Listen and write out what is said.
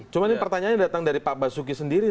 cuma ini pertanyaan yang datang dari pak basuki sendiri